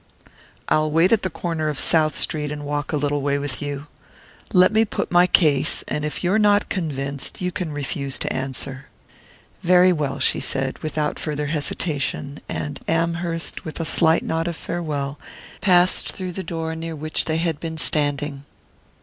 "I'll wait at the corner of South Street and walk a little way with you. Let me put my case, and if you're not convinced you can refuse to answer." "Very well," she said, without farther hesitation; and Amherst, with a slight nod of farewell, passed through the door near which they had been standing.